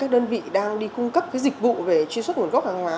các đơn vị đang đi cung cấp dịch vụ về truy xuất nguồn gốc hàng hóa